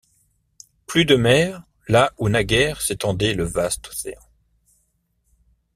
Plus de mer, là où naguère s’étendait le vaste Océan.